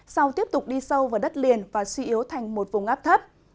sau tiếp tục đi sâu vào đất liền và suy yếu thành một vùng áp thấp